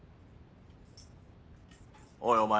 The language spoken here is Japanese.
おいお前。